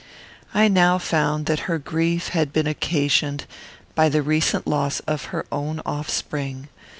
I now found that her grief had been occasioned by the recent loss of her own offspring.